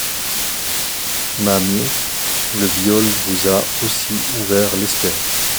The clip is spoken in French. Ma mye, le viol vous ha aussy ouvert l’esperit.